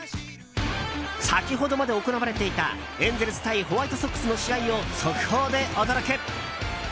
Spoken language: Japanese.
先ほどまで行われていたエンゼルス対ホワイトソックスの試合を速報でお届け。